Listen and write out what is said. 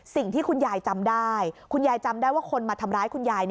สิ่งที่คุณยายจำได้คุณยายจำได้ว่าคนมาทำร้ายคุณยาย